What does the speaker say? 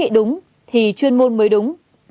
nếu lãnh đạo chính trị đúng thì chuyên môn mới đúng